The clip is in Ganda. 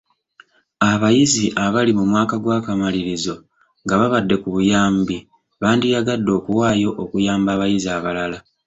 Abayizi abali mu mwaka gw'akamalirizo nga babadde ku buyambi bandiyagadde okuwaayo okuyamba abayizi abalala.